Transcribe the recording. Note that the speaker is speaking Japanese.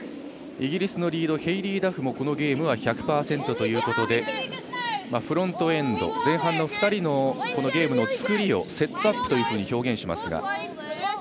イギリスのリードヘイリー・ダフもこのゲーム１００％ということでフロントエンド前半の２人のゲームの作りをセットアップというふうに表現しますが。